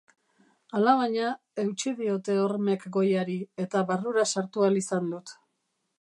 Alabaina, eutsi diote hormek goiari, eta barrura sartu ahal izan dut.